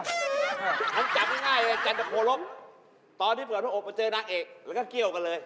มันจับง่ายจันตโฆรพตอนที่เผื่อทุกอบมาเจอนางเอกแล้วก็เกี่ยวกันเลย